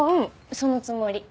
そのつもり。